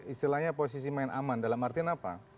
istilahnya posisi main aman dalam artian apa